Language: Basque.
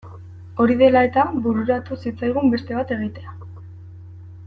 Hori dela eta bururatu zitzaigun beste bat egitea.